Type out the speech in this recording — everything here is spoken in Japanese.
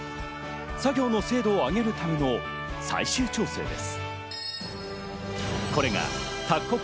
作業の精度を上げるための最終調整です。